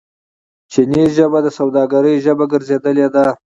چیني ژبه د سوداګرۍ ژبه ګرځیدلې ده.